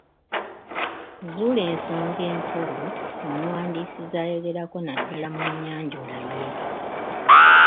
Zuula ensonga enkulu omuwandiisi z'ayogerako naddala mu nnyanjula ye.